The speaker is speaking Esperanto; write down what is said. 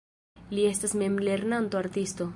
Li estas memlernanto artisto.